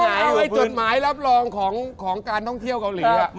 ไอ้จดหมายรับรองของการท่องเที่ยวเกาหลี